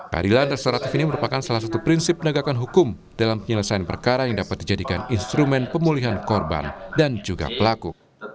keadilan restoratif ini merupakan salah satu prinsip penegakan hukum dalam penyelesaian perkara yang dapat dijadikan instrumen pemulihan korban dan juga pelaku